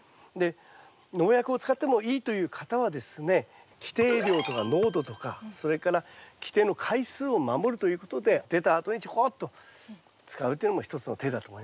農薬を使ってもいいという方はですね規定量とか濃度とかそれから規定の回数を守るということで出たあとにちょこっと使うというのも一つの手だと思います。